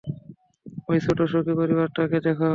ওই ছোট সুখী পরিবারটাকে দেখ।